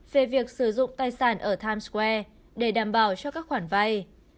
về việc sử dụng tài sản ở times square để đảm bảo cho các khoản vay